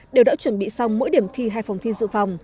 đều đã chuẩn bị xong mỗi điểm thi hai phòng thi dự phòng